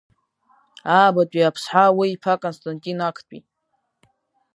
Аабатәи Аԥсҳа уи иԥа Константин Актәи…